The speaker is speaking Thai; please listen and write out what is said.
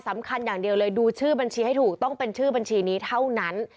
อย่างเดียวเลยดูชื่อบัญชีให้ถูกต้องเป็นชื่อบัญชีนี้เท่านั้น